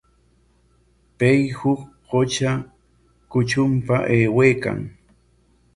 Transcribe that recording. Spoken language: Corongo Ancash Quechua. Pay huk qutra kutrunpa aywaykan.